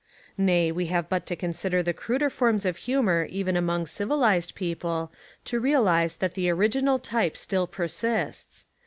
Nay, we have but to consider the cruder forms of humour even among civilised people to real ise that the original type still persists.